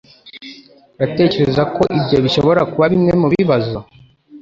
Uratekereza ko ibyo bishobora kuba bimwe mubibazo